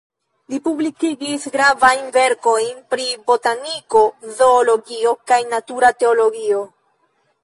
Li publikigis gravajn verkojn pri botaniko, zoologio, kaj natura teologio.